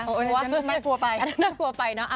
โอ้ยน่ากลัวไป